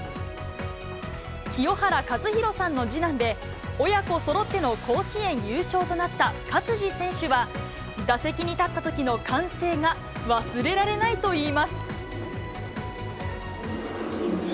清原和博さんの次男で、親子そろっての甲子園優勝となった勝児選手は、打席に立ったときの歓声が忘れられないといいます。